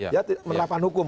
ya penerapan hukum